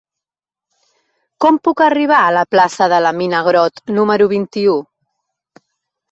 Com puc arribar a la plaça de la Mina Grott número vint-i-u?